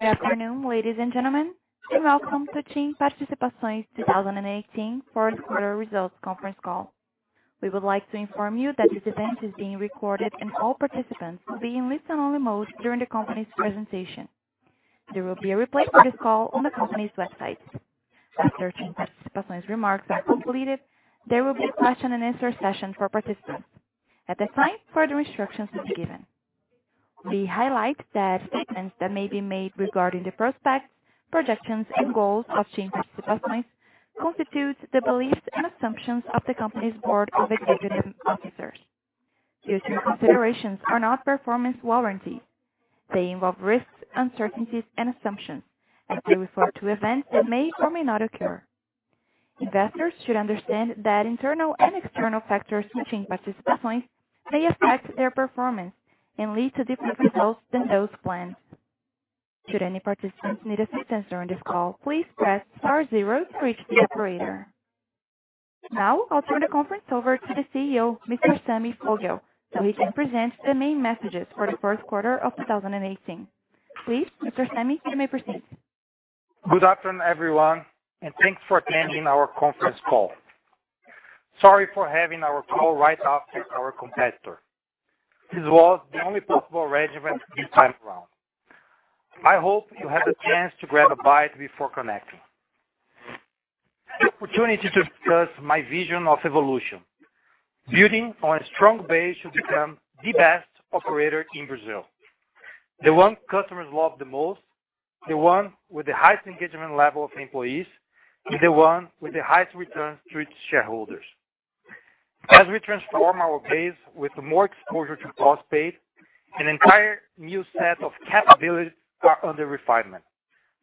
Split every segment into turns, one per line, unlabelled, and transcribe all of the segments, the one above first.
Good afternoon, ladies and gentlemen, and welcome to TIM Participações 2018 fourth quarter results conference call. We would like to inform you that this event is being recorded. All participants will be in listen-only mode during the company's presentation. There will be a replay of this call on the company's website. After TIM Participações' remarks are completed, there will be a question and answer session for participants. At that time, further instructions will be given. We highlight that statements that may be made regarding the prospects, projections, and goals of TIM Participações constitute the beliefs and assumptions of the company's board of executive officers. These considerations are not performance warranties. They involve risks, uncertainties, and assumptions. They refer to events that may or may not occur. Investors should understand that internal and external factors affecting Participações may affect their performance and lead to different results than those planned. Should any participants need assistance during this call, please press star zero for each operator. Now, I'll turn the conference over to the CEO, Mr. Sami Foguel. He can present the main messages for the fourth quarter of 2018. Please, Mr. Sami, you may proceed.
Good afternoon, everyone, and thanks for attending our conference call. Sorry for having our call right after our competitor. This was the only possible regimen this time around. I hope you had the chance to grab a bite before connecting. The opportunity to discuss my vision of evolution, building on a strong base to become the best operator in Brazil. The one customers love the most, the one with the highest engagement level of employees, and the one with the highest returns to its shareholders. As we transform our base with more exposure to postpaid, an entire new set of capabilities are under refinement.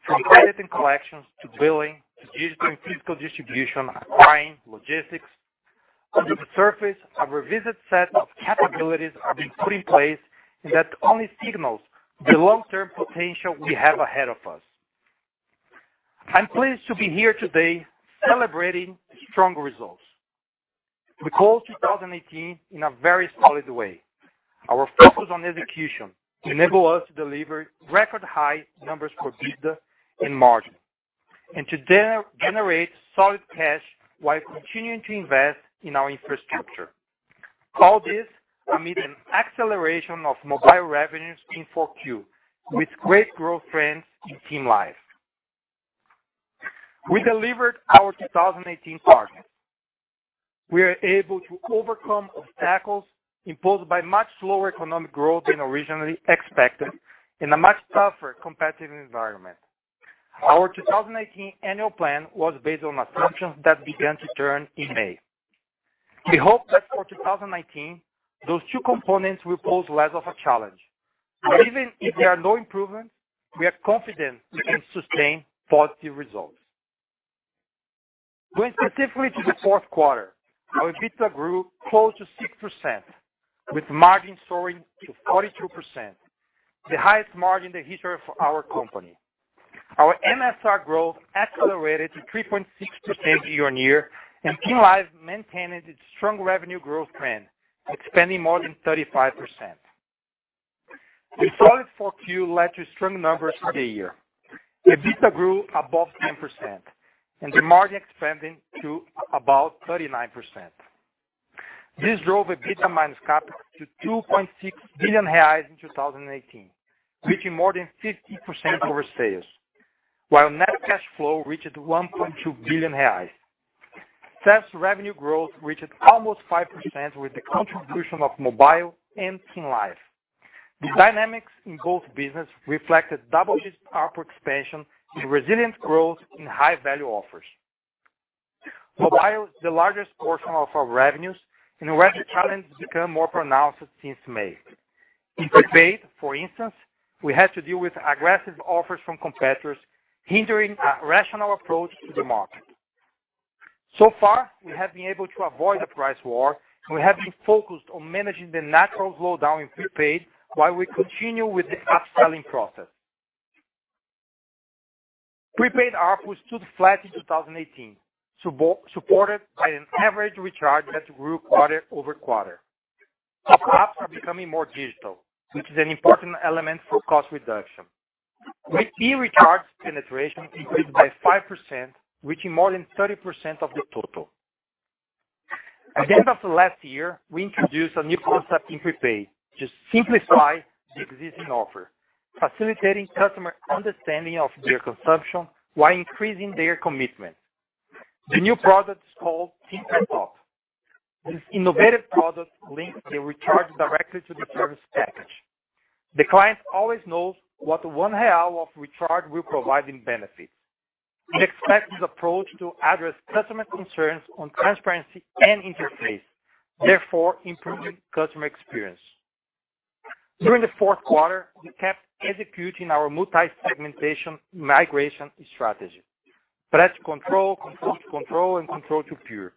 From credit and collections to billing to digital and physical distribution, acquiring, logistics. Under the surface, a revised set of capabilities are being put in place. That only signals the long-term potential we have ahead of us. I'm pleased to be here today celebrating strong results. We called 2018 in a very solid way. Our focus on execution enabled us to deliver record-high numbers for EBITDA and margin. To then generate solid cash while continuing to invest in our infrastructure. All this amid an acceleration of mobile revenues in 4Q, with great growth trends in TIM Live. We delivered our 2018 targets. We are able to overcome obstacles imposed by much slower economic growth than originally expected in a much tougher competitive environment. Our 2018 annual plan was based on assumptions that began to turn in May. We hope that for 2019, those two components will pose less of a challenge. Even if there are no improvements, we are confident we can sustain positive results. Going specifically to the fourth quarter, our EBITDA grew close to 6%, with margin soaring to 42%, the highest margin in the history of our company. Our MSR growth accelerated to 3.6% year-on-year, and TIM Live maintained its strong revenue growth trend, expanding more than 35%. The solid 4Q led to strong numbers for the year. EBITDA grew above 10%, and the margin expanding to about 39%. This drove EBITDA minus CapEx to 2.6 billion reais in 2018, reaching more than 15% over sales, while net cash flow reached 1.2 billion reais. Sales revenue growth reached almost 5% with the contribution of mobile and TIM Live. The dynamics in both businesses reflected double-digit ARPU expansion and resilient growth in high-value offers. Mobile is the largest portion of our revenues and network challenge has become more pronounced since May. In prepaid, for instance, we had to deal with aggressive offers from competitors, hindering a rational approach to the market. Far, we have been able to avoid a price war, we have been focused on managing the natural slowdown in prepaid while we continue with the upselling process. Prepaid ARPU stood flat in 2018, supported by an average recharge that grew quarter-over-quarter. Our apps are becoming more digital, which is an important element for cost reduction. We've seen recharge penetration increased by 5%, reaching more than 30% of the total. At the end of last year, we introduced a new concept in prepaid to simplify the existing offer, facilitating customer understanding of their consumption while increasing their commitment. The new product is called TIM Pré TOP. This innovative product links the recharge directly to the service package. The client always knows what 1 real of recharge will provide in benefits. We expect this approach to address customer concerns on transparency and interface, therefore improving customer experience. During the fourth quarter, we kept executing our multi-segmentation migration strategy. Press control to control to pure.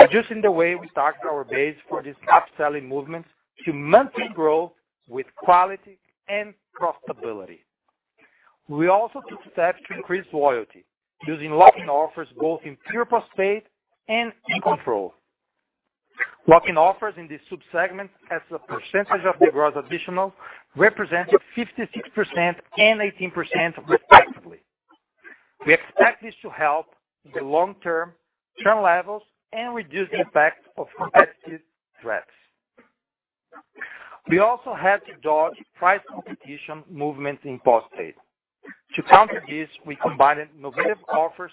Adjusting the way we target our base for this upselling movement to maintain growth with quality and profitability. We also took steps to increase loyalty, using lock-in offers both in pure postpaid and in control. Working offers in this sub-segment as a percentage of the gross additional represented 56% and 18%, respectively. We expect this to help the long-term churn levels and reduce the impact of competitive threats. We also had to dodge price competition movements in postpaid. To counter this, we combined innovative offers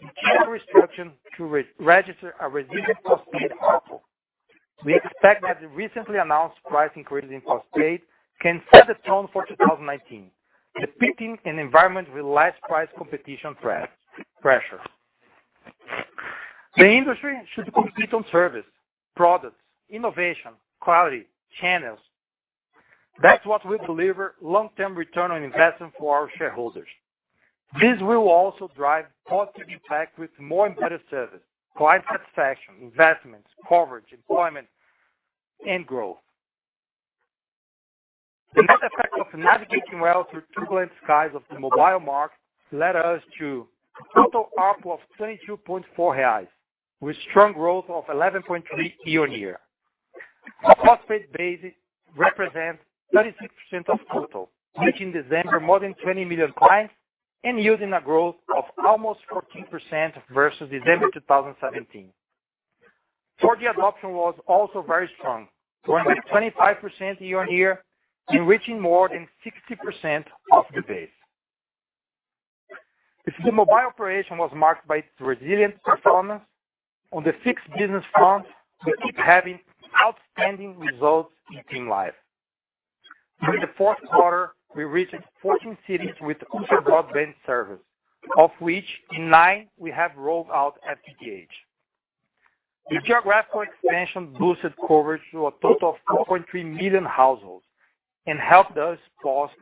and cheaper restrictions to register a resilient postpaid ARPU. We expect that the recently announced price increase in postpaid can set the tone for 2019, depicting an environment with less price competition pressure. The industry should compete on service, products, innovation, quality, channels. That's what will deliver long-term return on investment for our shareholders. This will also drive positive impact with more and better service, client satisfaction, investments, coverage, employment, and growth. The net effect of navigating well through turbulent skies of the mobile market led us to total ARPU of 32.4 reais, with strong growth of 11.3% year-on-year. The postpaid base represents 36% of total, reaching December more than 20 million clients and yielding a growth of almost 14% versus December 2017. 4G adoption was also very strong, growing 25% year-on-year and reaching more than 60% of the base. If the mobile operation was marked by its resilient performance, on the fixed business front, we keep having outstanding results in TIM Live. During the fourth quarter, we reached 14 cities with ultra-broadband service, of which in nine we have rolled out FTTH. The geographical expansion boosted coverage to a total of 4.3 million households and helped us post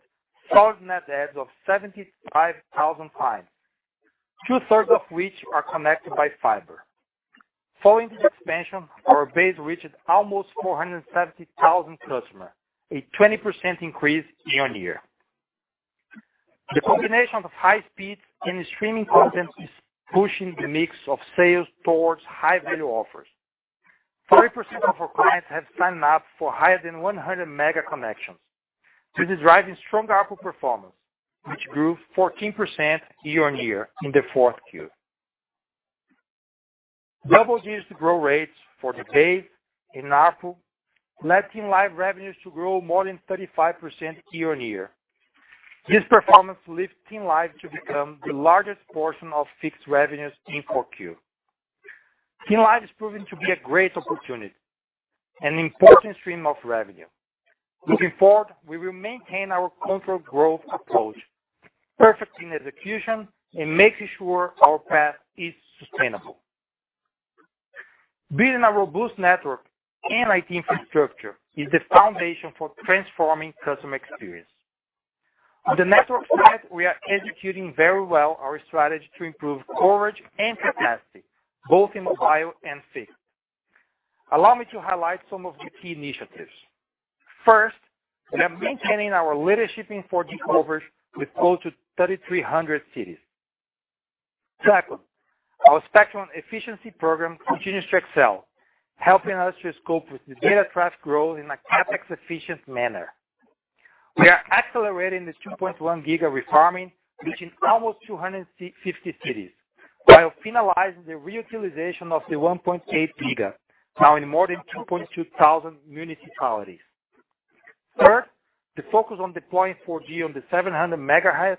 solid net adds of 75,000 clients, two-thirds of which are connected by fiber. Following the expansion, our base reached almost 470,000 customers, a 20% increase year-on-year. The combination of high speed and streaming content is pushing the mix of sales towards high-value offers. 40% of our clients have signed up for higher than 100 mega connections. This is driving strong ARPU performance, which grew 14% year-on-year in the fourth quarter. Double-digit growth rates for the base and ARPU led TIM Live revenues to grow more than 35% year-on-year. This performance lifts TIM Live to become the largest portion of fixed revenues in 4Q. TIM Live is proving to be a great opportunity and an important stream of revenue. Looking forward, we will maintain our controlled growth approach, perfecting execution, and making sure our path is sustainable. Building a robust network and IT infrastructure is the foundation for transforming customer experience. On the network side, we are executing very well our strategy to improve coverage and capacity, both in mobile and fixed. Allow me to highlight some of the key initiatives. First, we are maintaining our leadership in 4G coverage with close to 3,300 cities. Second, our spectrum efficiency program continues to excel, helping us to scope with the data traffic growth in a CapEx-efficient manner. We are accelerating the 2.1 GHz refarming, reaching almost 250 cities, while finalizing the reutilization of the 1.8 GHz, now in more than 2,200 municipalities. Third, the focus on deploying 4G on the 700 MHz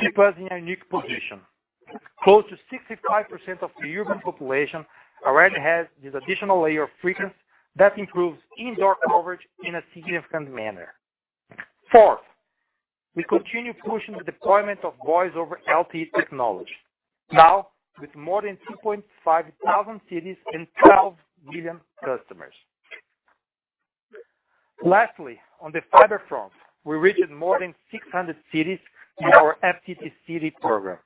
keeps us in a unique position. Close to 65% of the urban population already has this additional layer of frequency that improves indoor coverage in a significant manner. Fourth, we continue pushing the deployment of VoLTE technology, now with more than 2,500 cities and 12 million customers. Lastly, on the fiber front, we reached more than 600 cities in our FTTC program.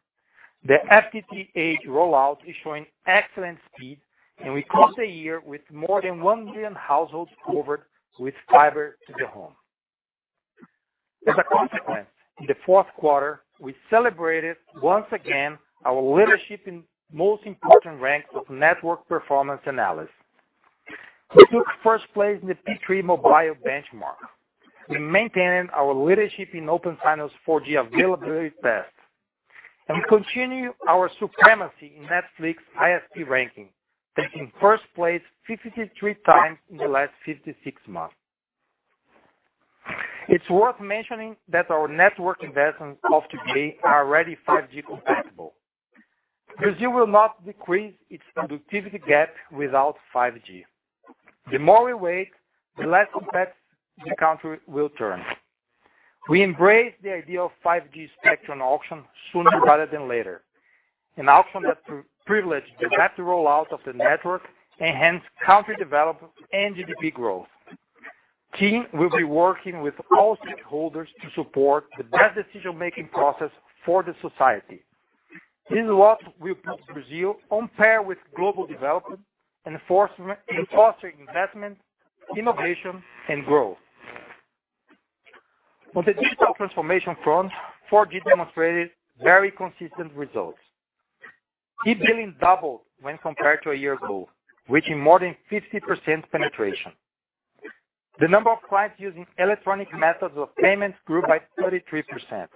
The FTTH rollout is showing excellent speed, and we close the year with more than one million households covered with fiber to the home. As a consequence, in the fourth quarter, we celebrated once again our leadership in most important ranks of network performance analysis. We took first place in the P3 mobile benchmark. We maintained our leadership in OpenSignal's 4G availability test, and we continue our supremacy in Netflix ISP ranking, taking first place 53 times in the last 56 months. It's worth mentioning that our network investments of today are already 5G compatible. Brazil will not decrease its productivity gap without 5G. The more we wait, the less competitive the country will turn. We embrace the idea of 5G spectrum auction sooner rather than later, an auction that privileges the rapid rollout of the network, enhance country development, and GDP growth. TIM will be working with all stakeholders to support the best decision-making process for the society. This is what will put Brazil on par with global development and foster investment, innovation, and growth. On the digital transformation front, 4G demonstrated very consistent results. E-billing doubled when compared to a year ago, reaching more than 50% penetration. The number of clients using electronic methods of payment grew by 33%.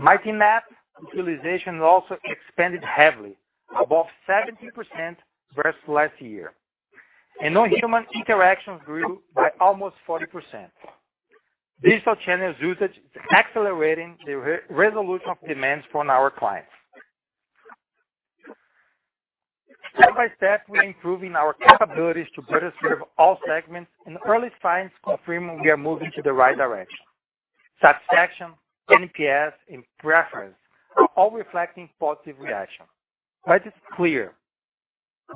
Meu TIM app utilization also expanded heavily, above 70% versus last year, and non-human interactions grew by almost 40%. Digital channels usage is accelerating the resolution of demands from our clients. Step by step, we are improving our capabilities to better serve all segments, and early signs confirm we are moving to the right direction. Satisfaction, NPS, and preference are all reflecting positive reaction. It's clear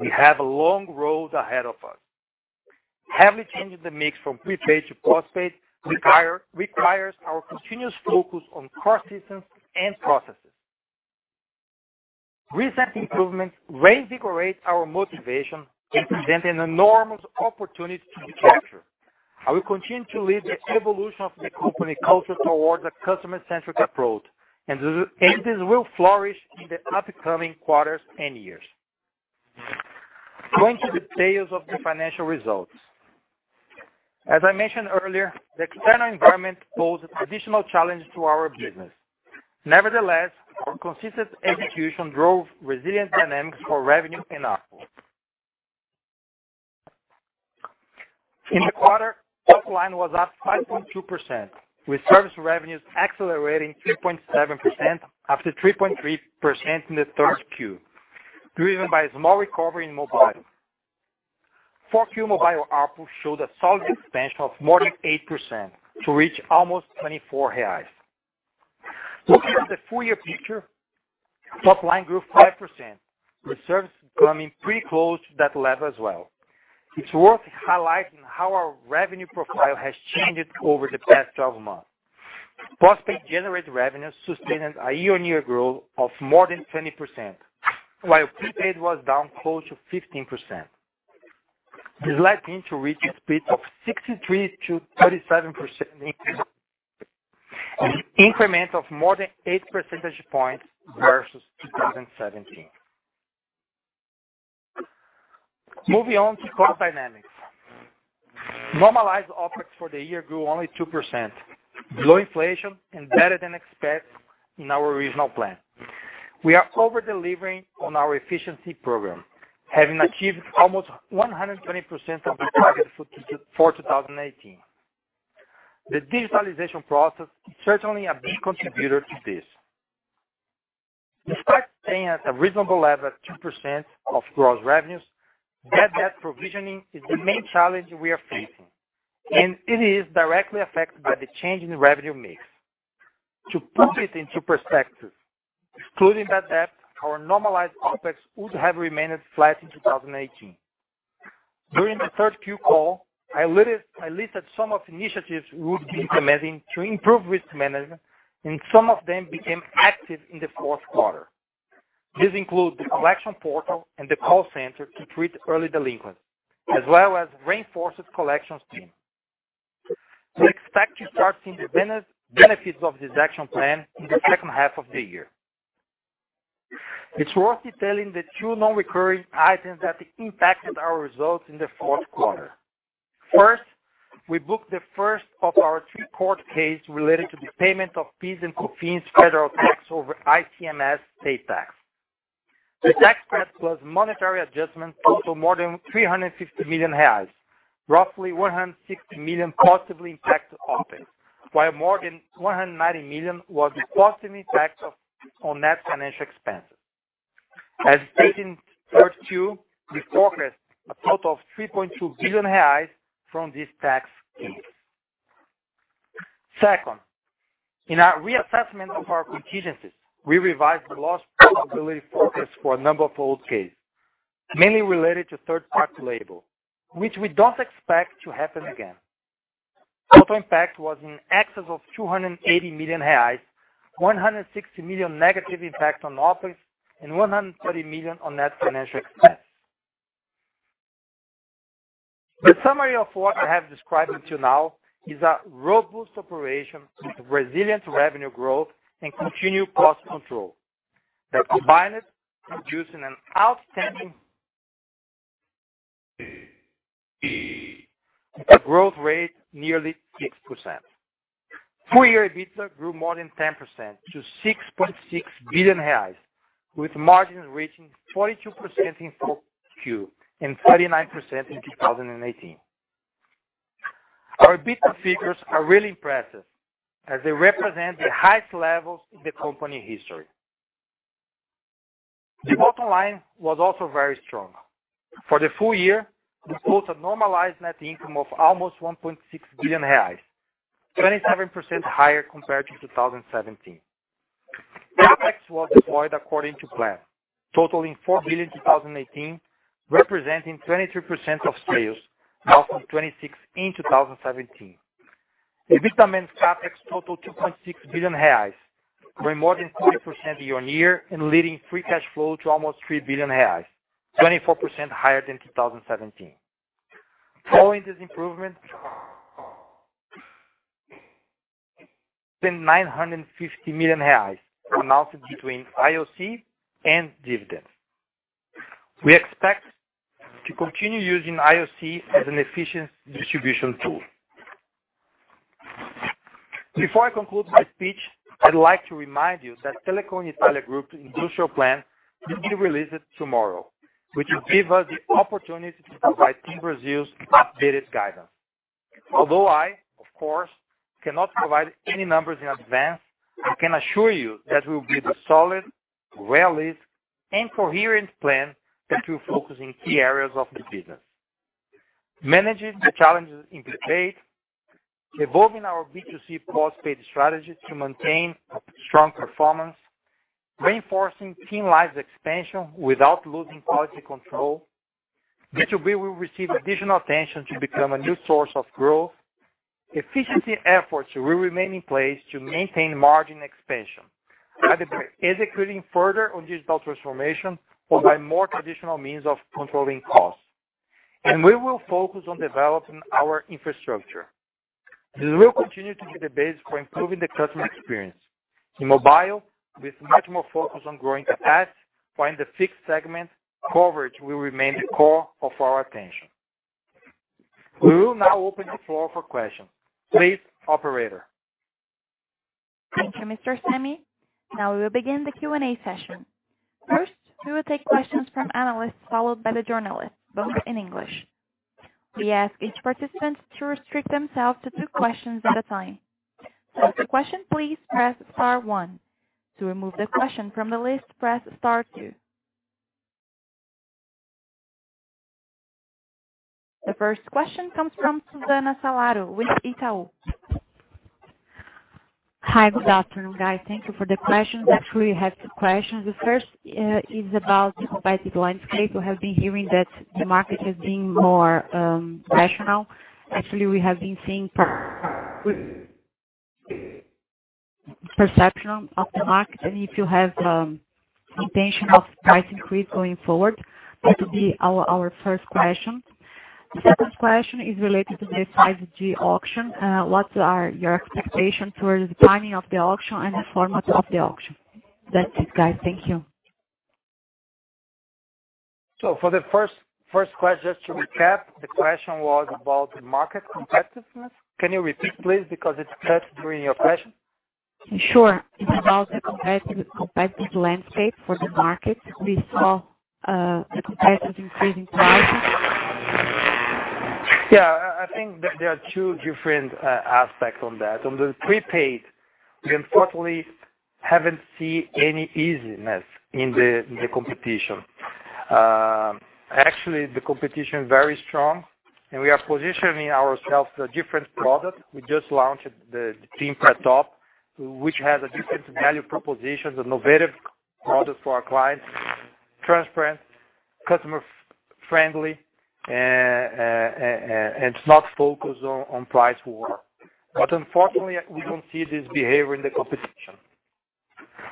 we have a long road ahead of us. Heavily changing the mix from prepaid to postpaid requires our continuous focus on core systems and processes. Recent improvements reinvigorate our motivation and present an enormous opportunity to capture. I will continue to lead the evolution of the company culture towards a customer-centric approach, this will flourish in the upcoming quarters and years. Going to details of the financial results. As I mentioned earlier, the external environment poses additional challenge to our business. Nevertheless, our consistent execution drove resilient dynamics for revenue and ARPU. In the quarter, top line was up 5.2%, with service revenues accelerating 3.7% after 3.3% in the third Q, driven by a small recovery in mobile. 4Q mobile ARPU showed a solid expansion of more than 8% to reach almost 24 reais. Looking at the full-year picture, top line grew 5%, with service coming pretty close to that level as well. It's worth highlighting how our revenue profile has changed over the past 12 months. Postpaid generated revenue, sustaining a year-on-year growth of more than 20%, while prepaid was down close to 15%. This led TIM to reach a split of 63% to 37% increase, an increment of more than eight percentage points versus 2017. Moving on to cost dynamics. Normalized OPEX for the year grew only 2%. Low inflation and better than expected in our original plan. We are over-delivering on our efficiency program, having achieved almost 120% of the target for 2018. The digitalization process is certainly a big contributor to this. Despite staying at a reasonable level at 2% of gross revenues, bad debt provisioning is the main challenge we are facing, and it is directly affected by the change in revenue mix. To put it into perspective, excluding bad debt, our normalized OPEX would have remained flat in 2018. During the third Q call, I listed some of initiatives we would be implementing to improve risk management, some of them became active in the fourth quarter. These include the collection portal and the call center to treat early delinquents, as well as reinforced collections team. We expect to start seeing the benefits of this action plan in the second half of the year. It's worth detailing the two non-recurring items that impacted our results in the fourth quarter. First, we booked the first of our two court case related to the payment of PIS and COFINS federal tax over ICMS state tax. The tax credit plus monetary adjustments total more than 350 million reais, roughly 160 million positively impacted OPEX, while more than 190 million was the positive impact on net financial expenses. As stated in third Q, we forecast a total of 3.2 billion reais from these tax schemes. Second, in our reassessment of our contingencies, we revised the loss probability forecast for a number of old cases, mainly related to third-party liability, which we don't expect to happen again. Total impact was in excess of 280 million reais, 160 million negative impact on OPEX, and 130 million on net financial expense. The summary of what I have described until now is a robust operation with resilient revenue growth and continued cost control that combined producing an outstanding growth rate, nearly 6%. Full-year EBITDA grew more than 10% to 6.6 billion reais, with margins reaching 42% in 4Q and 39% in 2018. Our EBITDA figures are really impressive as they represent the highest levels in the company history. The bottom line was also very strong. For the full year, we post a normalized net income of almost 1.6 billion reais, 27% higher compared to 2017. CapEx was deployed according to plan, totaling 4 billion in 2018, representing 23% of sales, down from 26% in 2017. EBITDA net CapEx total 2.6 billion reais. Bring more than 20% year-on-year and leading free cash flow to almost 3 billion reais, 24% higher than 2017. Following this improvement, spend BRL 950 million, announced between JCP and dividends. We expect to continue using JCP as an efficient distribution tool. Before I conclude my speech, I'd like to remind you that Telecom Italia Group industrial plan will be released tomorrow, which will give us the opportunity to provide TIM Brazil's updated guidance. Although I, of course, cannot provide any numbers in advance, I can assure you that we'll give a solid, realistic, and coherent plan that will focus in key areas of the business. Managing the challenges in prepaid, evolving our B2C postpaid strategy to maintain strong performance, reinforcing TIM Live expansion without losing quality control. B2B will receive additional attention to become a new source of growth. Efficiency efforts will remain in place to maintain margin expansion, either by executing further on digital transformation or by more traditional means of controlling costs. We will focus on developing our infrastructure. This will continue to be the base for improving the customer experience. In mobile, with much more focus on growing capacity. While in the fixed segment, coverage will remain the core of our attention. We will now open the floor for questions. Please, operator.
Thank you, Mr. Sami. We will begin the Q&A session. First, we will take questions from analysts, followed by the journalists, both in English. We ask each participant to restrict themselves to two questions at a time. To ask a question, please press star one. To remove the question from the list, press star two. The first question comes from Susana Salaro with Itaú.
Hi, good afternoon, guys. Thank you for the questions. Actually, I have two questions. The first is about the competitive landscape. We have been hearing that the market has been more rational. Actually, we have been seeing perception of the market, and if you have intention of price increase going forward. That will be our first question. The second question is related to the 5G auction. What are your expectations towards the timing of the auction and the format of the auction? That's it, guys. Thank you.
For the first question, just to recap, the question was about market competitiveness. Can you repeat, please, because it's cut during your question?
Sure. It's about the competitive landscape for the market. We saw a competitive increase in pricing.
Yeah, I think that there are two different aspects on that. On the prepaid, we unfortunately haven't seen any easiness in the competition. Actually, the competition is very strong, and we are positioning ourselves a different product. We just launched the TIM Pré TOP, which has a different value proposition, an innovative product for our clients, transparent, customer-friendly, and it's not focused on price war. Unfortunately, we don't see this behavior in the competition.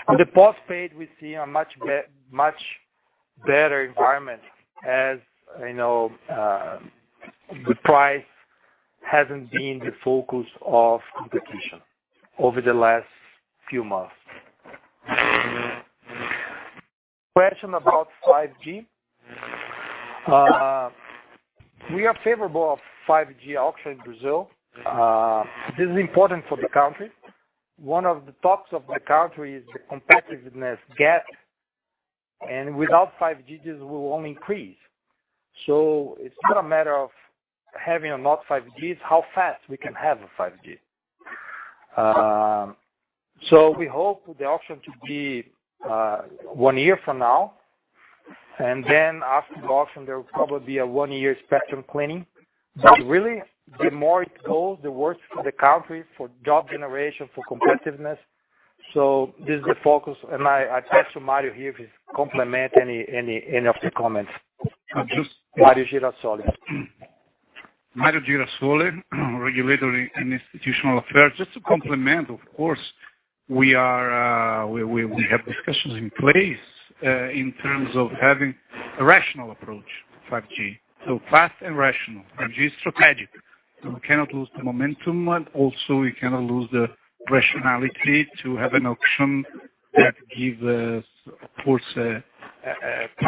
On the postpaid, we see a much better environment, as the price hasn't been the focus of competition over the last few months. Question about 5G. We are favorable of 5G auction in Brazil. This is important for the country. One of the tops of the country is the competitiveness gap, and without 5G, this will only increase. It's not a matter of having or not 5G, it's how fast we can have a 5G. We hope the auction to be one year from now, and then after the auction, there will probably be a one-year spectrum planning. Really, the more it goes, the worse for the country for job generation, for competitiveness. This is the focus, and I turn to Mario here if he's complement any of the comments.
Just-
Mario Girasole.
Mario Girasole, Vice-President of Regulatory and Institutional Affairs. Just to complement, of course, we have discussions in place, in terms of having a rational approach to 5G. Fast and rational. 5G is strategic, so we cannot lose the momentum. Also, we cannot lose the rationality to have an auction that gives, of course, a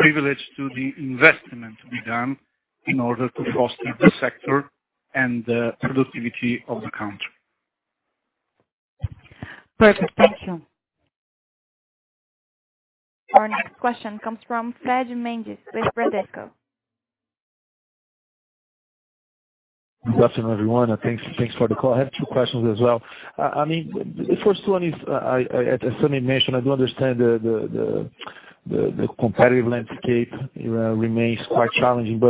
privilege to the investment to be done in order to foster the sector and the productivity of the country.
Perfect. Thank you.
Our next question comes from Fred Mendes with Bradesco.
Good afternoon, everyone. Thanks for the call. I have two questions as well. The first one is, as Sami mentioned, I do understand the competitive landscape remains quite challenging,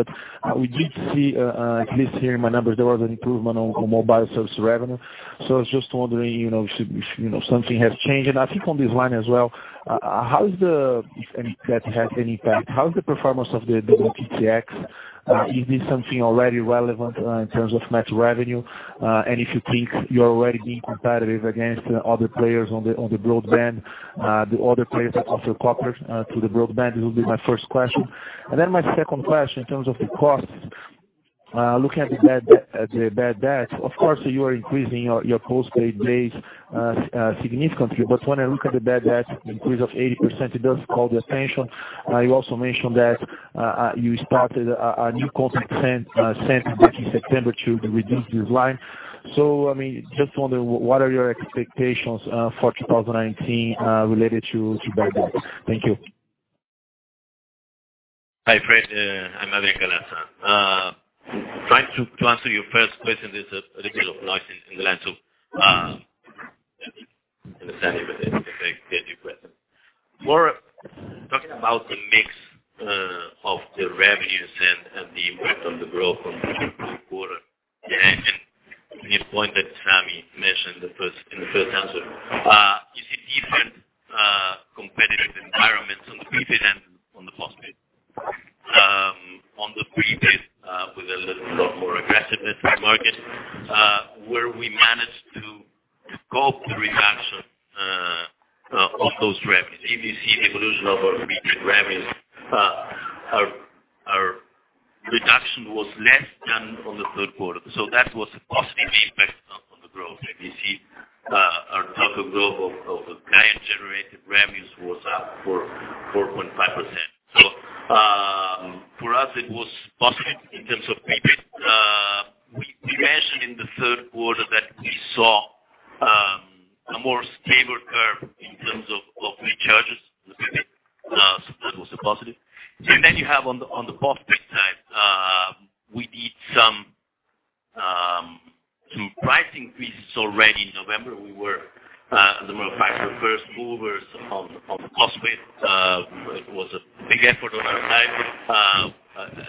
we did see, at least here in my numbers, there was an improvement on mobile service revenue. I was just wondering if something has changed. I think on this line as well, how's the FTTx, how is the performance of the double play FTTx? Is this something already relevant in terms of net revenue? If you think you're already being competitive against other players on the broadband, the other players that offer copper to the broadband. This will be my first question. My second question, in terms of the costs. Looking at the bad debt, of course, you are increasing your postpaid base significantly. When I look at the bad debt, the increase of 80%, it does call the attention. You also mentioned that you started a new contact center back in September to reduce this line. I just wonder, what are your expectations for 2019, related to bad debt? Thank you.
Hi, Fred. I'm Adrian Calaza. Trying to answer your first question, there's a little noise in the line, I'm sorry for this. I get your question. More talking about the mix of the revenues and the impact on the growth from quarter to quarter, and to this point that Sami mentioned in the first answer. You see different competitive environments on the prepaid and on the postpaid. On the prepaid, with a little more aggressiveness in the market, where we managed to cope the reduction of those revenues. If you see the evolution of our prepaid revenues, our reduction was less than on the third quarter. That was a positive impact on the growth. If you see our total growth of the client-generated revenues was up for 4.5%. For us, it was positive in terms of prepaid. We mentioned in the third quarter that we saw a more stable curve in terms of recharges in the prepaid. That was a positive. You have on the postpaid side, we did some price increases already in November. We were, as a matter of fact, the first movers on postpaid. It was a big effort on our side.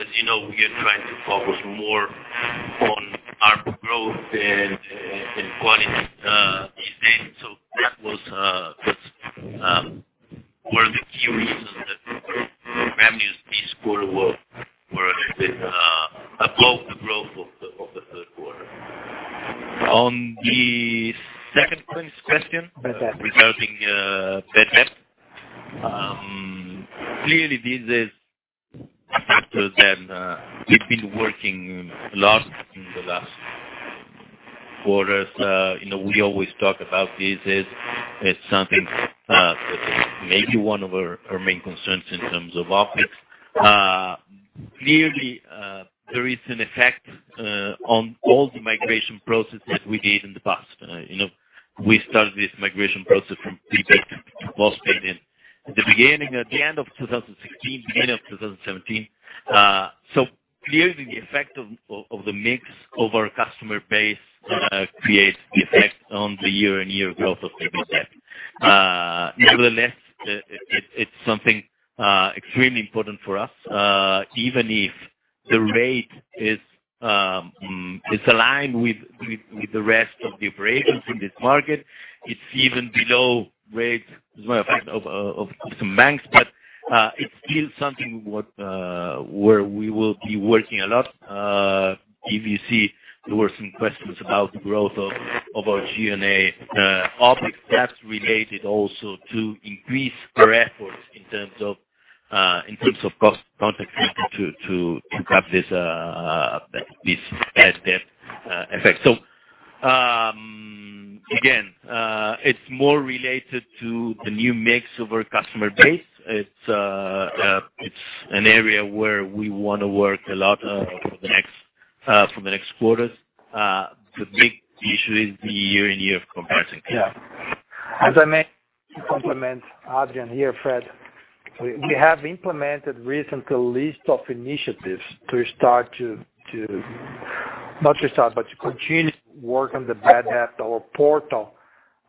As you know, we are trying to focus more on ARPU growth and quality these days. That was one of the key reasons that our revenues this quarter were above the growth of the third quarter. On the second question-
Bad debt
regarding bad debt. Clearly, this is a factor that we've been working a lot in the last quarters. We always talk about this as something that may be one of our main concerns in terms of OPEX. Clearly, there is an effect on all the migration processes we did in the past. We started this migration process from prepaid to postpaid at the end of 2016, beginning of 2017. Clearly, the effect of the mix of our customer base creates the effect on the year-on-year growth of the bad debt. Nevertheless, it's something extremely important for us, even if the rate is aligned with the rest of the operators in this market. It's even below rates, as a matter of fact, of some banks. It's still something where we will be working a lot. If you see, there were some questions about the growth of our G&A OPEX. That's related also to increased efforts in terms of cost, contract cost to cut this bad debt effect. Again, it's more related to the new mix of our customer base. It's an area where we want to work a lot for the next quarters. The big issue is the year-on-year comparison.
As I mentioned, to complement Adrian here, Fred, we have implemented recent list of initiatives to continue to work on the bad debt or portal,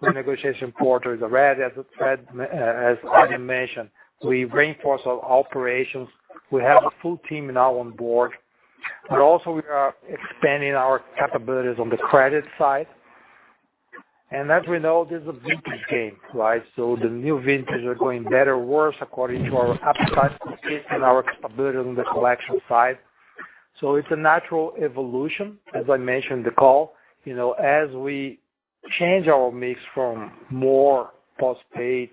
the negotiation portal already. As Adrian mentioned, we reinforce our operations. We have a full team now on board, but also we are expanding our capabilities on the credit side. As we know, this is a vintage game, right? The new vintage are going better or worse according to our appetite and our capabilities on the collection side. It's a natural evolution. As I mentioned in the call, as we change our mix from more postpaid,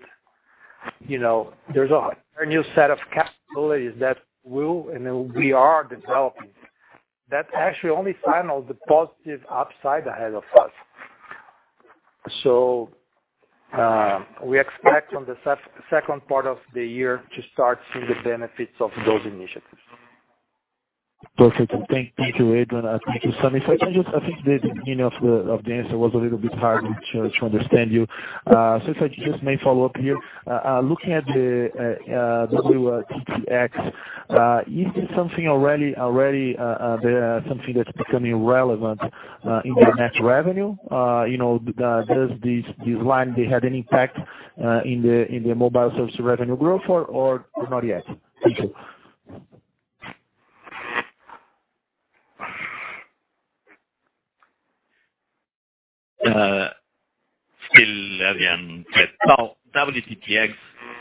there's a whole new set of capabilities that we are developing. That actually only signals the positive upside ahead of us. We expect on the second part of the year to start seeing the benefits of those initiatives.
Perfect. Thank you, Adrian. Thank you, Sami. I think the beginning of the answer was a little bit hard to understand you. If I just may follow up here, looking at the WTTX, is this something already that's becoming relevant in the net revenue? Does this line, did it have any impact in the mobile service revenue growth or not yet? Thank you.
Still Adrian, yes. WTTX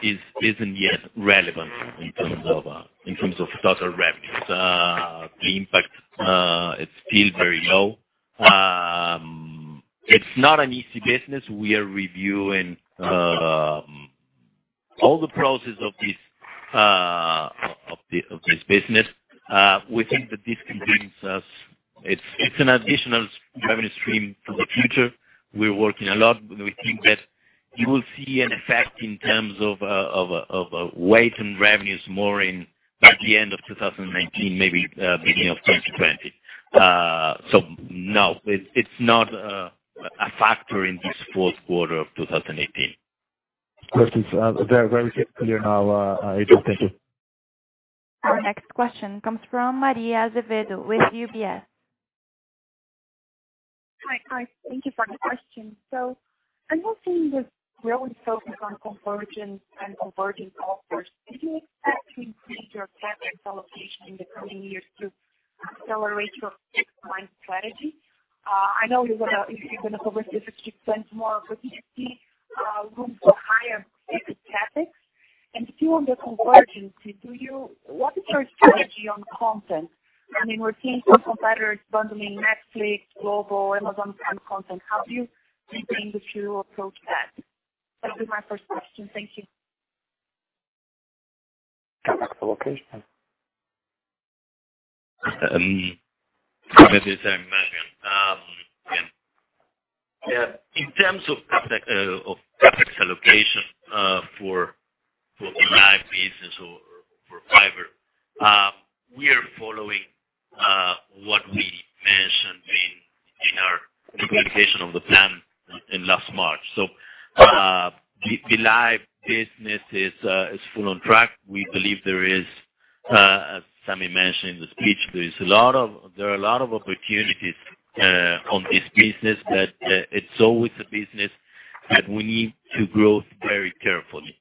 isn't yet relevant in terms of total revenues. The impact, it's still very low. It's not an easy business. We are reviewing all the process of this business, we think that this can bring us, it's an additional revenue stream for the future. We're working a lot. We think that you will see an effect in terms of weight and revenues more in at the end of 2019, maybe beginning of 2020. No, it's not a factor in this fourth quarter of 2018.
Questions are very clear now, Adrian. Thank you.
Our next question comes from Maria Azevedo with UBS.
Hi. Thank you for the question. I'm not seeing this growing focus on convergence and converting offers. Do you expect to increase your CapEx allocation in the coming years to accelerate your fixed line strategy? I know you're going to cover this if you spend more, but do you see rooms for higher CapEx? Two, on the convergence, what is your strategy on content? We're seeing some competitors bundling Netflix, Globo, Amazon, and content. How do you think that you approach that? That'll be my first question. Thank you.
CapEx allocation. As I mentioned. In terms of CapEx allocation for the live business or for fiber, we are following what we mentioned in our communication of the plan in last March. The live business is full on track. We believe there is, as Sami mentioned in the speech, there are a lot of opportunities on this business, but it's always a business that we need to grow very carefully.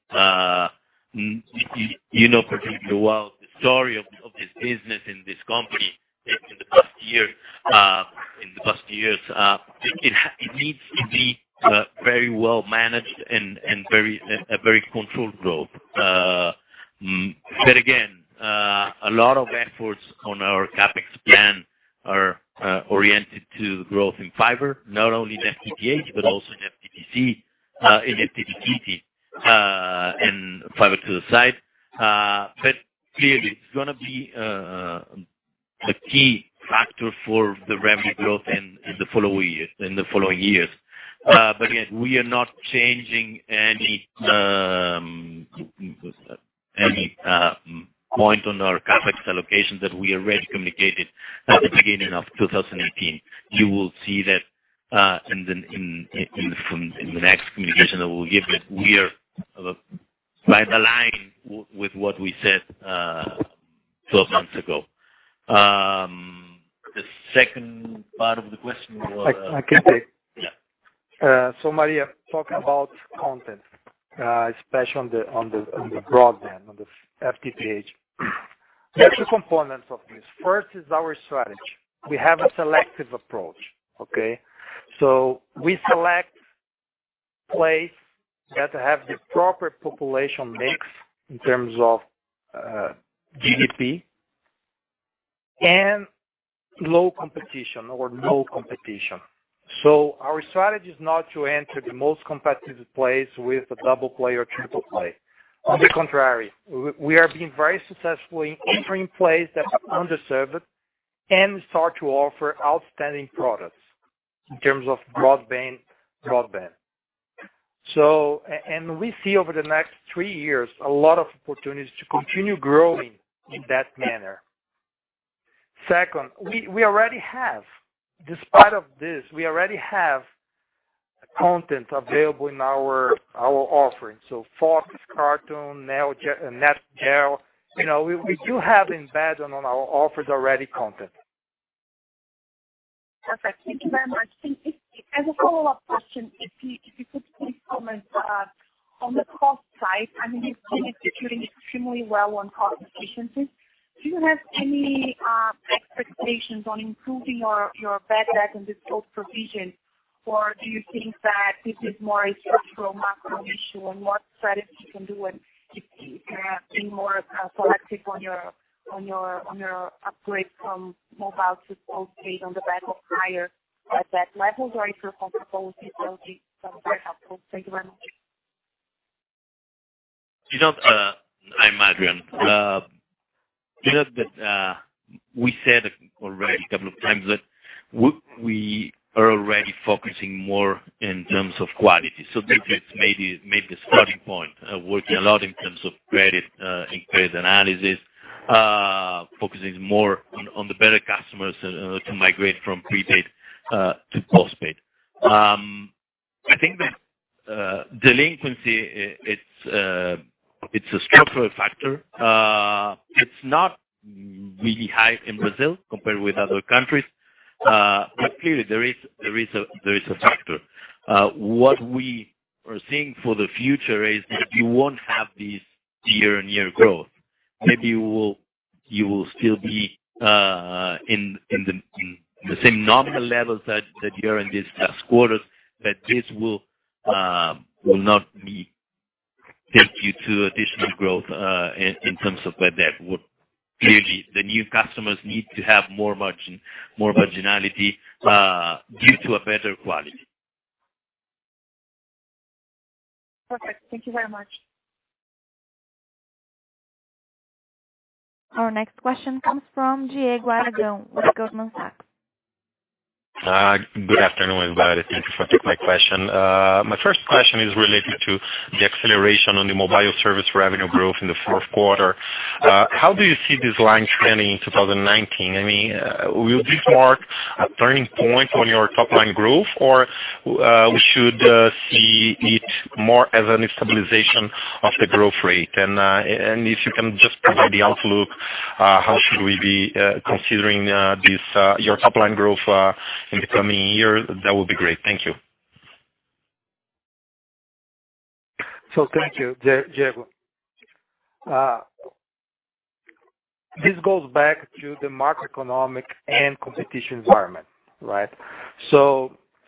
You know particularly well the story of this business in this company in the past years. It needs to be very well managed and a very controlled growth. Again, a lot of efforts on our CapEx plan are oriented to growth in fiber, not only in FTTH, but also in FTTC, and fiber to the site. Clearly, it's going to be a key factor for the revenue growth in the following years. Again, we are not changing any point on our CapEx allocation that we already communicated at the beginning of 2018. You will see that in the next communication that we'll give, that we are by the line with what we said 12 months ago. The second part of the question was?
I can take.
Yeah.
Maria, talking about content, especially on the broadband, on the FTTH. There are two components of this. First is our strategy. We have a selective approach. Okay? We select place that have the proper population mix in terms of GDP and low competition or no competition. Our strategy is not to enter the most competitive place with a double play or triple play. On the contrary, we are being very successful in entering plays that are underserved and start to offer outstanding products in terms of broadband. We see over the next three years, a lot of opportunities to continue growing in that manner. Second, despite of this, we already have content available in our offering. Fox, Cartoon, Nat Geo. We do have embedded on our offers already content.
Perfect. Thank you very much. As a follow-up question, if you could please comment, on the cost side, you've been executing extremely well on cost efficiencies. Do you have any expectations on improving your bad debt and this provision, or do you think that this is more a structural macro issue, and what strategy you can do and keep being more selective on your upgrade from mobile to postpaid on the back of higher bad debt levels? If you're comfortable with the logic? That's very helpful. Thank you very much.
Hi, Maria. We said already a couple of times that we are already focusing more in terms of quality. This is maybe made the starting point, working a lot in terms of credit, in credit analysis, focusing more on the better customers to migrate from prepaid to postpaid. I think that delinquency, it's a structural factor. It's not really high in Brazil compared with other countries. Clearly there is a factor. What we are seeing for the future is that you won't have this year-on-year growth. Maybe you will still be in the same nominal levels that you're in these past quarters, but this will not help you to additional growth, in terms of bad debt. Usually, the new customers need to have more marginality due to a better quality.
Perfect. Thank you very much. Our next question comes from Diego Aragao with Goldman Sachs.
Good afternoon, everybody. Thank you for taking my question. My first question is related to the acceleration on the mobile service revenue growth in the fourth quarter. How do you see this line trending in 2019? Will this mark a turning point on your top-line growth, or we should see it more as a stabilization of the growth rate? If you can just provide the outlook, how should we be considering your top-line growth in the coming year, that would be great. Thank you.
Thank you, Diego. This goes back to the macroeconomic and competition environment. There's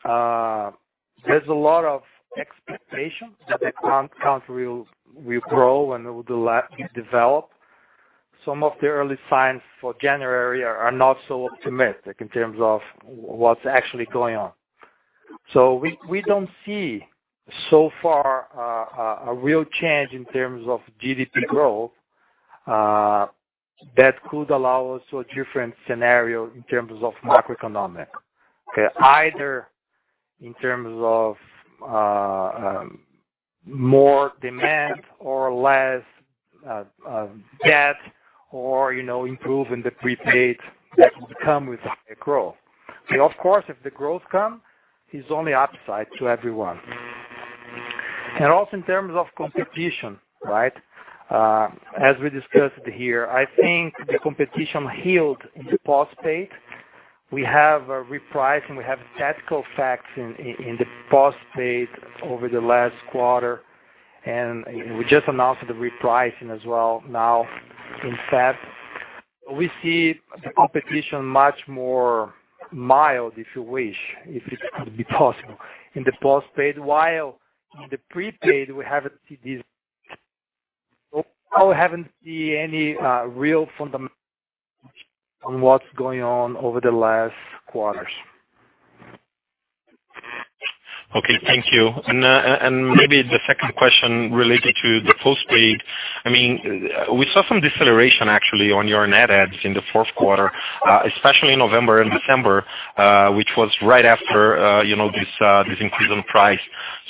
a lot of expectations that the country will grow and will develop. Some of the early signs for January are not so optimistic in terms of what's actually going on. We don't see, so far, a real change in terms of GDP growth, that could allow us a different scenario in terms of macroeconomic. Either in terms of more demand or less debt or, improve in the prepaid that would come with higher growth. Of course, if the growth comes, it's only upside to everyone. Also in terms of competition. As we discussed here, I think the competition healed in the postpaid. We have a repricing, we have tactical facts in the postpaid over the last quarter, and we just announced the repricing as well now in Feb. We see the competition much more mild, if you wish, if it could be possible, in the postpaid, while in the prepaid, we haven't seen any real fundamentals on what's going on over the last quarters.
Okay, thank you. Maybe the second question related to the postpaid. We saw some deceleration actually on your net adds in the fourth quarter, especially in November and December, which was right after this increase in price.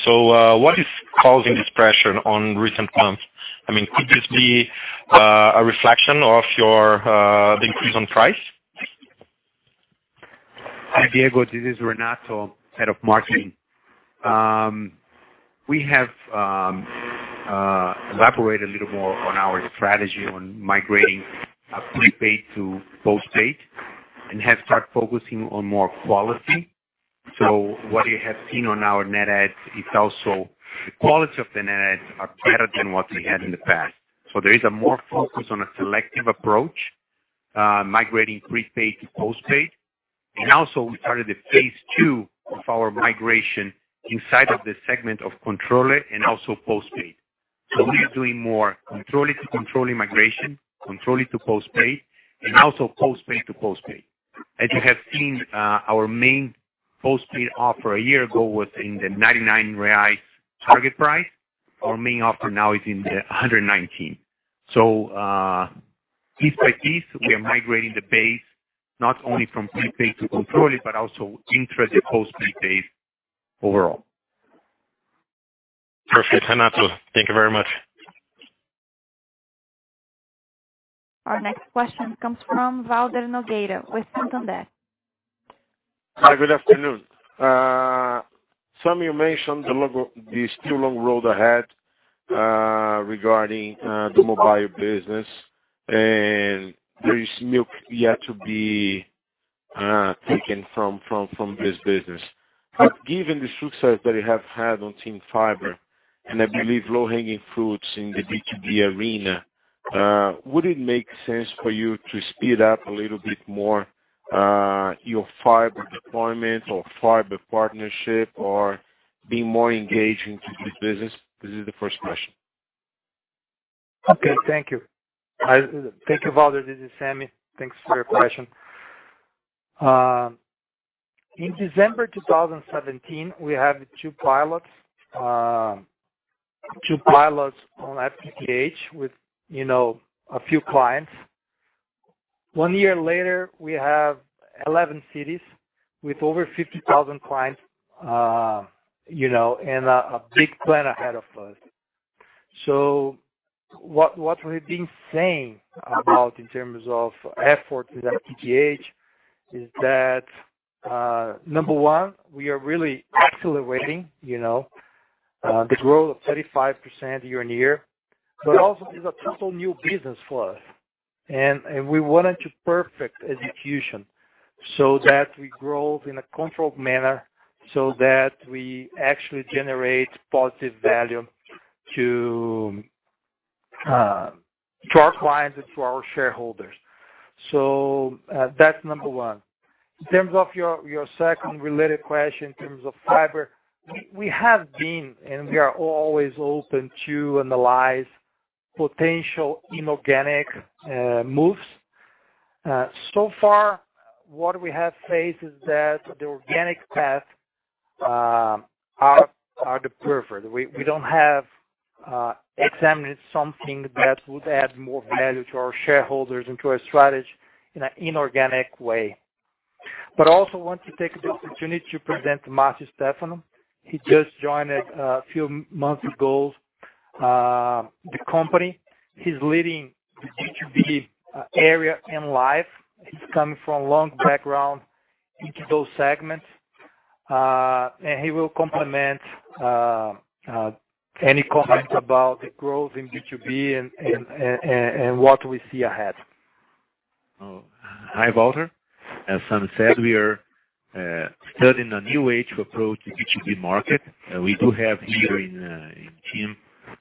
What is causing this pressure on recent months? Could this be a reflection of the increase on price?
Hi, Diego, this is Renato, head of marketing. We have elaborated a little more on our strategy on migrating prepaid to postpaid, and have start focusing on more quality. What you have seen on our net adds, it's also the quality of the net adds are better than what we had in the past. There is a more focus on a selective approach, migrating prepaid to postpaid. Also we started the phase 2 of our migration inside of the segment of control and also postpaid. We are doing more controlling to controlling migration, controlling to postpaid, and also postpaid to postpaid. As you have seen, our main postpaid offer a year ago was in the 99 target price. Our main offer now is in the 119. Piece by piece, we are migrating the base, not only from prepaid to control it, but also intra the postpaid base overall.
Perfect, Renato. Thank you very much.
Our next question comes from Valder Nogueira with Santander.
Hi, good afternoon. Sami, you mentioned this too long road ahead, regarding, the mobile business, and there is milk yet to be taken from this business. Given the success that you have had on TIM Fiber, and I believe low-hanging fruits in the B2B arena, would it make sense for you to speed up a little bit more, your fiber deployment or fiber partnership or be more engaged into this business? This is the first question.
Okay, thank you. Thank you, Valder. This is Sami. Thanks for your question. In December 2017, we have two pilots on FTTH with a few clients. One year later, we have 11 cities with over 50,000 clients, and a big plan ahead of us. So what we've been saying about in terms of effort with FTTH is that, number 1, we are really accelerating, the growth of 35% year-on-year, but also is a total new business for us. And we wanted to perfect execution so that we grow in a controlled manner, so that we actually generate positive value to our clients and to our shareholders. So, that's number 1. In terms of your second related question in terms of fiber, we have been, and we are always open to analyze potential inorganic moves. So far, what we have faced is that the organic paths are the preferred. We don't have examined something that would add more value to our shareholders and to our strategy in an inorganic way. But also want to take this opportunity to present Stefano Siragusa. He just joined, a few months ago, the company. He's leading the B2B area in Live. He's coming from a long background into those segments. And he will complement, any comments about the growth in B2B and what we see ahead.
Oh, hi, Valder. As Sami said, we are studying a new way to approach the B2B market. We do have here in TIM,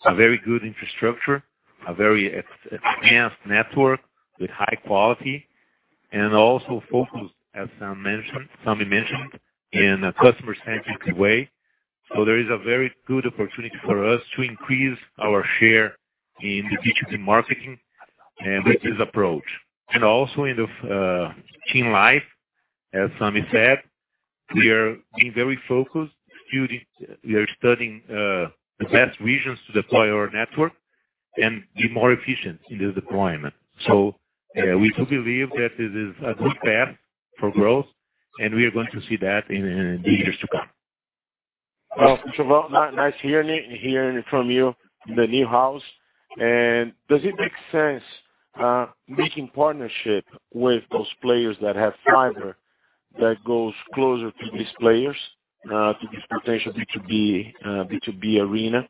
a very good infrastructure, a very advanced network with high quality, and also focused, as Sami mentioned, in a customer-centric way. So there is a very good opportunity for us to increase our share in the B2B marketing with this approach. And also in the TIM Live, as Sami said, we are being very focused. We are studying, the best regions to deploy our network and be more efficient in the deployment. So, we do believe that this is a good path for growth, and we are going to see that in the years to come.
Well, nice hearing from you in the new house. And does it make sense, making partnership with those players that have fiber that goes closer to these players, to this potential B2B arena?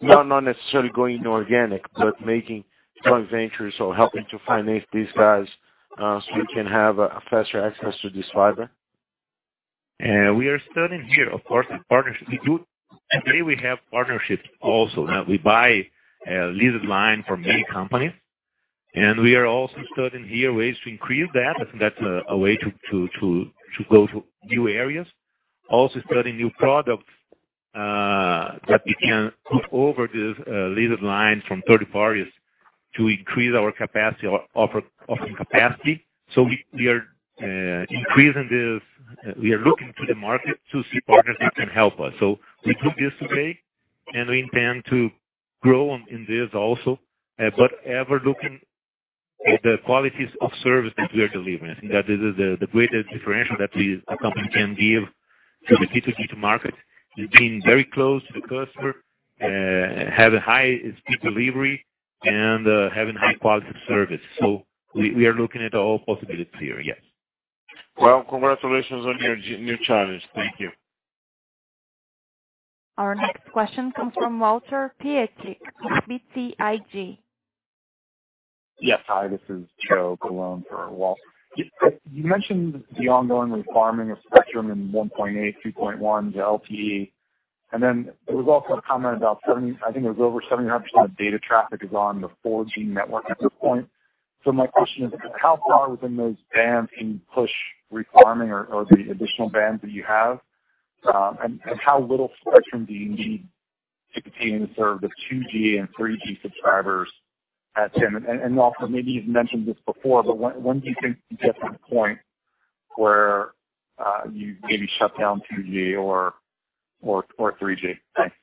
Not necessarily going inorganic, but making joint ventures or helping to finance these guys, so you can have a faster access to this fiber.
We are studying here, of course, the partnership. Today we have partnerships also. We buy a leased line from many companies, we are also studying here ways to increase that. I think that's a way to go to new areas. Studying new products, that we can put over this leased line from third parties to increase our capacity or offer capacity. We are increasing this. We are looking to the market to see partners that can help us. We do this today, we intend to grow in this also. Ever looking at the qualities of service that we are delivering. I think that this is the greatest differential that a company can give to the B2B market, is being very close to the customer, have a high-speed delivery, and having high quality of service. We are looking at all possibilities here. Yes.
Congratulations on your new challenge. Thank you.
Our next question comes from Walter Piecyk with BTIG.
Yes. Hi, this is Joe Galone for Walter. You mentioned the ongoing refarming of spectrum in 1.8, 2.1, the LTE. There was also a comment about, I think it was over 700% of data traffic is on the 4G network at this point. My question is, how far within those bands can you push refarming or the additional bands that you have? How little spectrum do you need to continue to serve the 2G and 3G subscribers at TIM? Also, maybe you've mentioned this before, when do you think you get to the point where, you maybe shut down 2G or 3G? Thanks.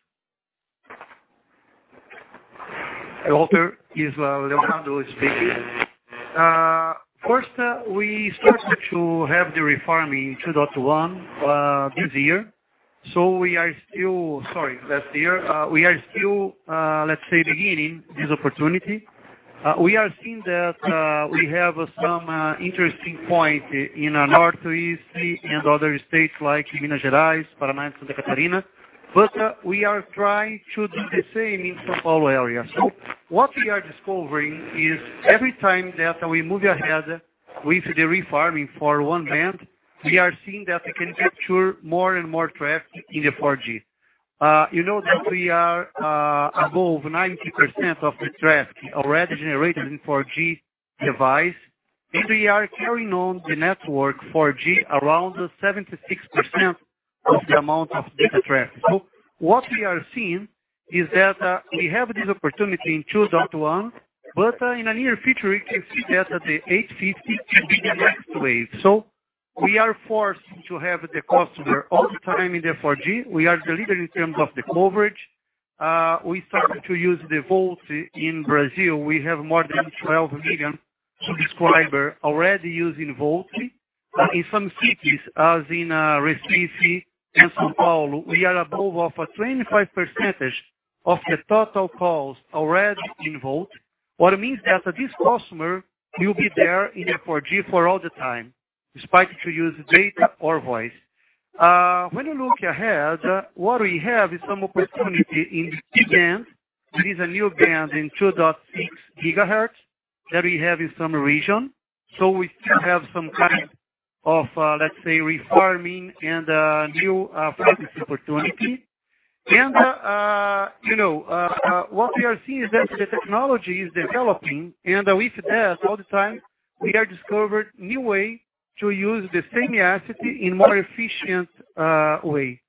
Valder, it's Leandro speaking. First, we started to have the refarming in 2.1 this year. Sorry, last year. We are still, let's say, beginning this opportunity. We are seeing that, we have some interesting point in the Northeast and other states like Minas Gerais, Paraná, Santa Catarina. We are trying to do the same in São Paulo area. What we are discovering is every time that we move ahead with the refarming for one band, we are seeing that we can capture more and more traffic in the 4G. You know that we are above 90% of the traffic already generated in 4G device, and we are carrying on the network 4G around 76% of the amount of data traffic. What we are seeing is that we have this opportunity in 2.1, in the near future, we can see that the 850 will be the next wave. We are forced to have the customer all the time in the 4G. We are the leader in terms of the coverage. We started to use the VoLTE in Brazil. We have more than 12 million subscribers already using VoLTE. In some cities, as in Recife and São Paulo, we are above of a 25% of the total calls already in VoLTE. What it means is that this customer will be there in the 4G for all the time, despite if you use data or voice. When you look ahead, what we have is some opportunity in C-band, which is a new band in 2.6 gigahertz that we have in some region. We still have some kind of, let's say, refarming and new frequency opportunity. What we are seeing is that the technology is developing, and with that, all the time, we are discovering new ways to use the same asset in a more efficient way.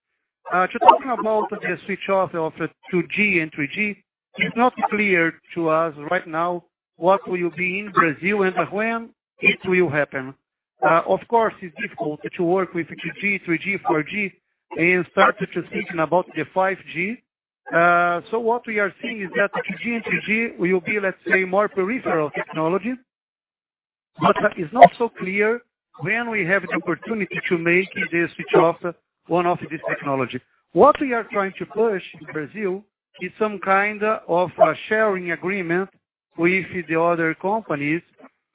Just talking about the switch off of 2G and 3G, it's not clear to us right now what will be in Brazil and when it will happen. Of course, it's difficult to work with 2G, 3G, 4G, and start speaking about the 5G. What we are seeing is that 2G and 3G will be, let's say, more peripheral technology, it's not so clear when we have the opportunity to make the switch off one of these technologies. What we are trying to push in Brazil is some kind of a sharing agreement with the other companies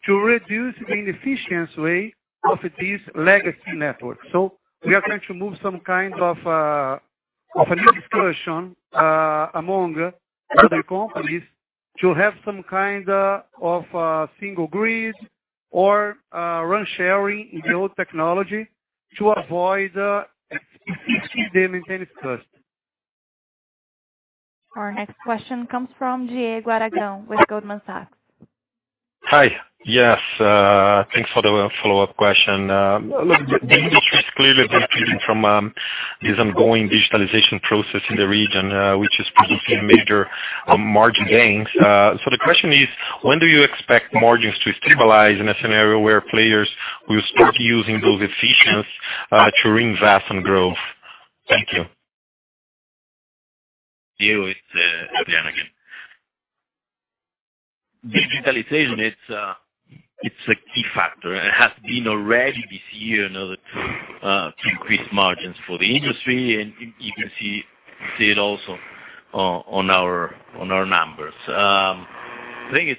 to reduce the inefficient way of this legacy network. We are trying to move some kind of a new discussion among other companies to have some kind of a single grid or RAN sharing in the old technology to avoid the maintenance cost.
Our next question comes from Diego Aragao with Goldman Sachs.
Hi. Yes. Thanks for the follow-up question. Look, the industry is clearly benefiting from this ongoing digitalization process in the region, which is producing major margin gains. The question is, when do you expect margins to stabilize in a scenario where players will start using those efficiencies to reinvest in growth? Thank you.
Diego, it's Adrian again. Digitalization, it's a key factor. It has been already this year in order to increase margins for the industry, and you can see it also on our numbers. The thing is,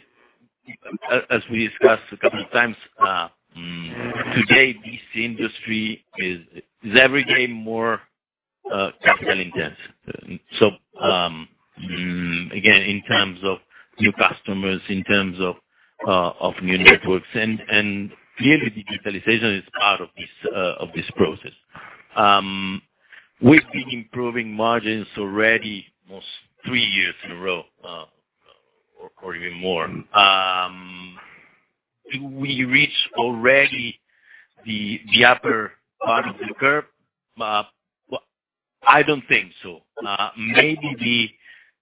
as we discussed a couple of times, today, this industry is every day more capital-intensive. Again, in terms of new customers, in terms of new networks, and clearly, digitalization is part of this process. We've been improving margins already almost three years in a row, or even more. Did we reach already the upper part of the curve? I don't think so. Maybe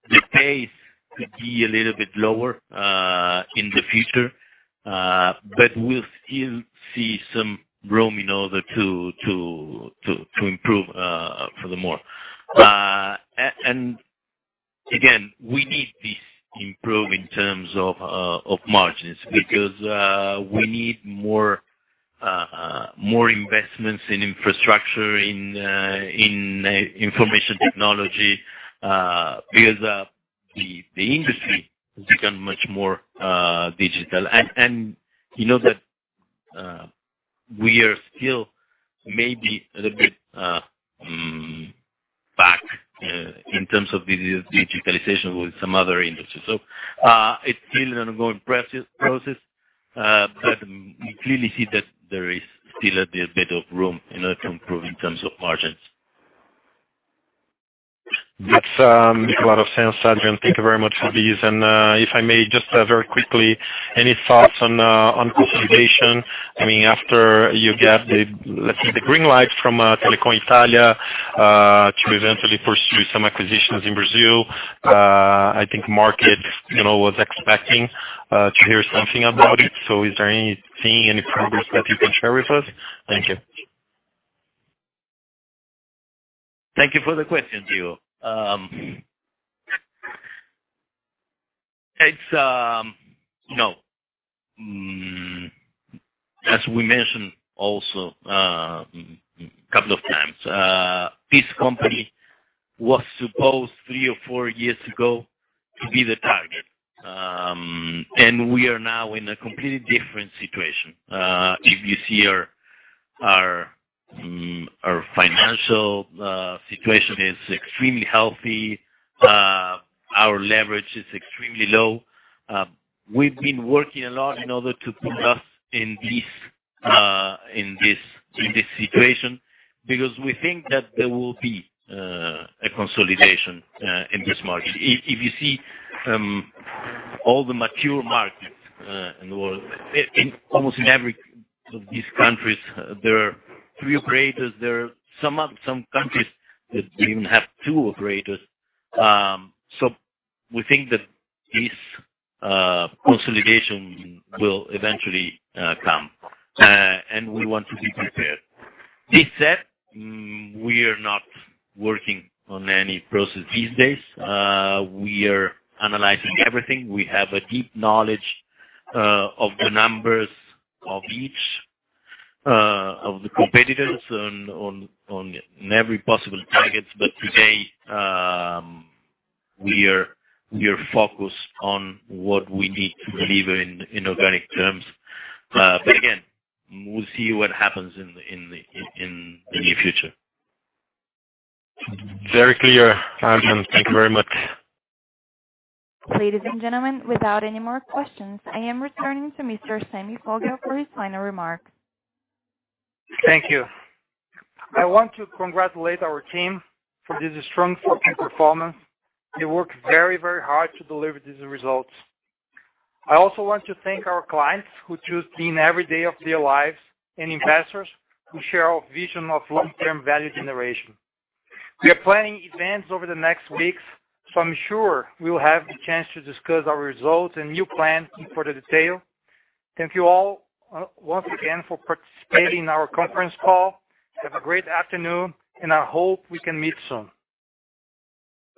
the pace could be a little bit lower in the future, but we'll still see some room in order to improve furthermore. Again, we need this improvement in terms of margins because we need more investments in infrastructure, in information technology, because the industry has become much more digital. You know that we are still maybe a little bit back in terms of digitalization with some other industries. It's still an ongoing process, we clearly see that there is still a little bit of room in order to improve in terms of margins.
Makes a lot of sense, Adrian. Thank you very much for this. If I may just very quickly, any thoughts on consolidation? After you get, let's say, the green light from Telecom Italia to eventually pursue some acquisitions in Brazil, I think the market was expecting to hear something about it. Is there anything, any progress that you can share with us? Thank you.
Thank you for the question, Diego. No. As we mentioned also a couple of times, this company was supposed three or four years ago to be the target, we are now in a completely different situation. If you see our financial situation is extremely healthy. Our leverage is extremely low. We've been working a lot in order to put us in this situation because we think that there will be a consolidation in this market. If you see all the mature markets in the world, almost in every of these countries, there are three operators. There are some countries that don't even have two operators. We think that this consolidation will eventually come, we want to be prepared. This said, we are not working on any process these days. We are analyzing everything. We have a deep knowledge of the numbers of each of the competitors on every possible target. Today, we are focused on what we need to deliver in organic terms. Again, we'll see what happens in the near future.
Very clear, Adrian. Thank you very much.
Ladies and gentlemen, without any more questions, I am returning to Mr. Sami Foguel for his final remarks.
Thank you. I want to congratulate our team for this strong fourth-quarter performance. They worked very hard to deliver these results. I also want to thank our clients who choose TIM every day of their lives, and investors who share our vision of long-term value generation. We are planning events over the next weeks, so I'm sure we will have the chance to discuss our results and new plans in further detail. Thank you all once again for participating in our conference call. Have a great afternoon, and I hope we can meet soon.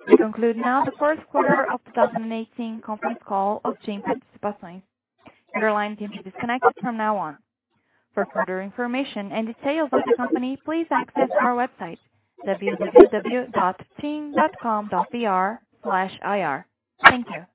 We conclude now the first quarter of 2018 conference call of TIM Participações. Your line is disconnected from now on. For further information and details of the company, please access our website, www.tim.com.br/ir. Thank you.